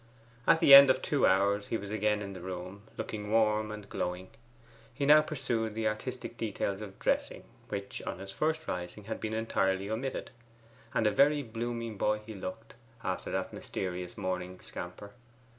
At the end of two hours he was again in the room, looking warm and glowing. He now pursued the artistic details of dressing, which on his first rising had been entirely omitted. And a very blooming boy he looked, after that mysterious morning scamper.